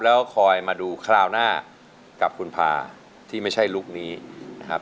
แล้วคอยมาดูคราวหน้ากับคุณพาที่ไม่ใช่ลุคนี้นะครับ